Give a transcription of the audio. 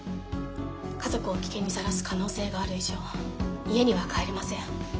家族を危険にさらす可能性がある以上家には帰れません。